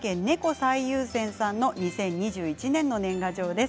最優先さんの２０２１年の年賀状です。